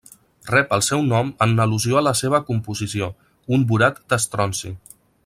Rep el seu nom en al·lusió a la seva composició: un borat d'estronci.